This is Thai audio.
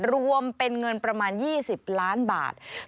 รวมเป็นเงินประมาณ๒๐ล้านบาท